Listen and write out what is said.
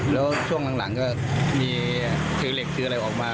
แล้วช่วงหลังก็มีถือเหล็กถืออะไรออกมา